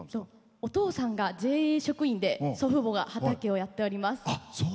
お父さんがＪＡ職員で祖父母が畑をやっております。